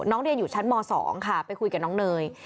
เรียนอยู่ชั้นม๒ค่ะไปคุยกับน้องเนย